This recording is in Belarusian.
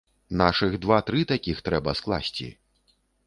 Нашых два-тры такіх трэба скласці!